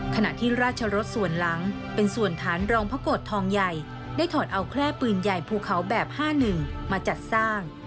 ขณะที่ราชรสส่วนหลังเป็นส่วนฐานรองพระโกรธทองใหญ่ได้ถอดเอาแค่ปืนใหญ่ภูเขาแบบ๕๑มาจัดสร้าง